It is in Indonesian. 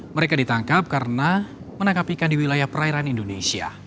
mereka ditangkap karena menangkap ikan di wilayah perairan indonesia